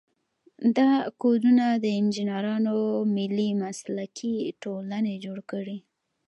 دا کودونه د انجینرانو ملي مسلکي ټولنې جوړ کړي.